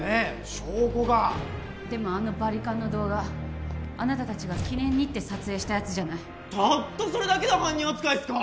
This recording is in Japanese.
証拠がでもあのバリカンの動画あなた達が記念にって撮影したやつじゃないたったそれだけで犯人扱いっすか？